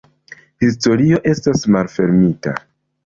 Historio estas malfermita.